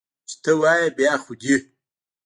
چې ته وایې، بیا خو دي!